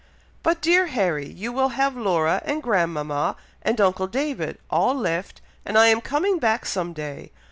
"But, dear Harry! you will have Laura and grandmama, and uncle David, all left, and I am coming back some day!